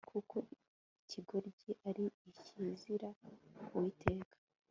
Kuko ikigoryi ari ikizira ku Uwiteka